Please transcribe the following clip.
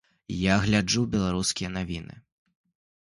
Я гляджу беларускія навіны.